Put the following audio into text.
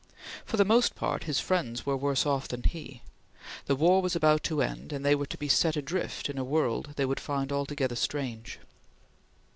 For the most part, his friends were worse off than he. The war was about to end and they were to be set adrift in a world they would find altogether strange.